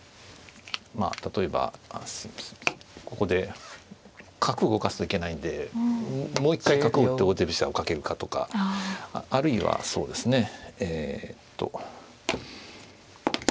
例えばここで角を動かすといけないんでもう一回角を打って王手飛車をかけるかとかあるいはそうですねえっと